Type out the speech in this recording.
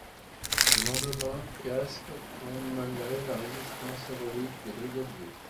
Le lendemain, Caspe tombe malgré la résistance héroïque des brigadiers.